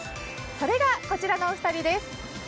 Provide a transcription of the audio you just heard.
それがこちらのお二人です。